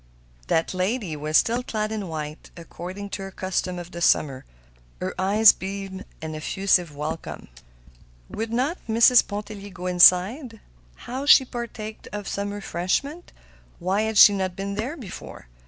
That lady was still clad in white, according to her custom of the summer. Her eyes beamed an effusive welcome. Would not Mrs. Pontellier go inside? Would she partake of some refreshment? Why had she not been there before?